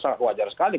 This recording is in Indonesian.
sangat wajar sekali